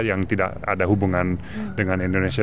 yang tidak ada hubungan dengan indonesia